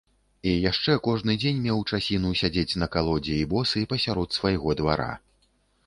І яшчэ кожны дзень меў часіну сядзець на калодзе і босы пасярод свайго двара.